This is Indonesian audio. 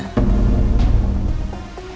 gak ada apa apa